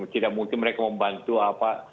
tidak mungkin mereka membantu apa